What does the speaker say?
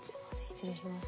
失礼します。